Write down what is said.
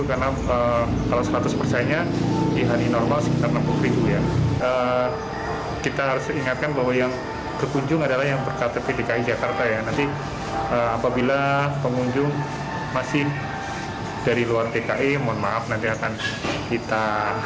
apabila pengunjung masih dari luar tki mohon maaf nanti akan kita